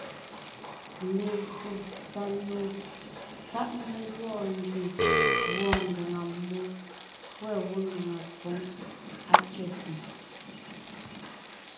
Legÿo tà nò pá’ mé gɔɔn ngie wɔɔn ngàŋa mmó, wὲ gwɔ́ ngàŋa póŋ á tsẅέte.